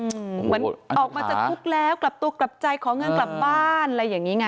เหมือนออกมาจากคุกแล้วกลับตัวกลับใจขอเงินกลับบ้านอะไรอย่างนี้ไง